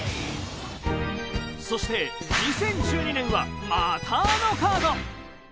そして２０１２年はまたあのカード。